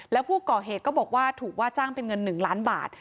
แล้วผู้ก่อเหตุก็บอกว่าถูกว่าจ้างเป็นเงิน๑ล้านบาท